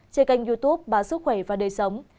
trên kênh youtube bà sức khỏe và đời sống